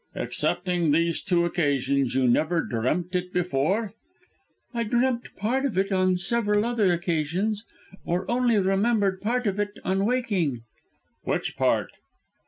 "Excepting these two occasions, you never dreamt it before?" "I dreamt part of it on several other occasions; or only remembered part of it on waking." "Which part?"